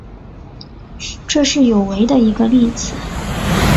这是有违的一个例子。